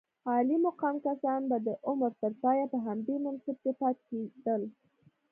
عالي مقام کسان به د عمر تر پایه په همدې منصب کې پاتې کېدل.